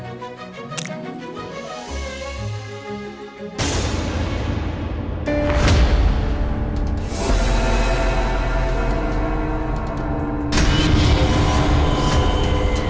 apakah aku salah rian